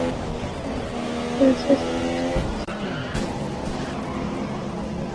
তাঁর পরিচয় জানার জন্য খোঁজখবর নেওয়ার পাশাপাশি অন্যান্য আইনি প্রক্রিয়া চলছে।